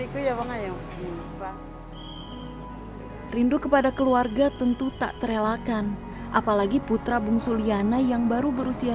itu ya wong ayo lupa rindu kepada keluarga tentu tak terelakkan apalagi putra bung suliana yang baru